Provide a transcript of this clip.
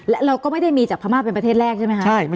และเราก็ไม่ได้มีจากพม่าเป็นประเทศแรกใช่ไหมคะ